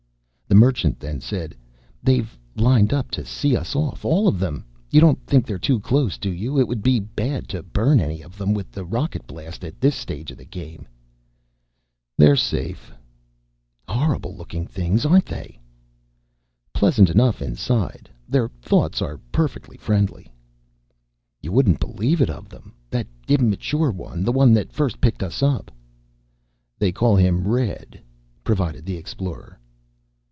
The Merchant then said, "They've lined up to see us off. All of them. You don't think they're too close, do you? It would be bad to burn any of them with the rocket blast at this stage of the game." "They're safe." "Horrible looking things, aren't they?" "Pleasant enough, inside. Their thoughts are perfectly friendly." "You wouldn't believe it of them. That immature one, the one that first picked us up " "They call him Red," provided the Explorer.